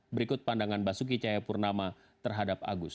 berikut pandangan basuki cahayapurnama terhadap agus